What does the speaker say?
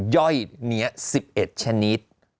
ย่อยเนื้อ๑๑ชนิด